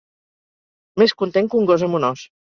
Més content que un gos amb un os.